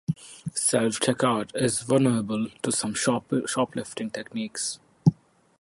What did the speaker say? Self-checkout is vulnerable to some shoplifting techniques.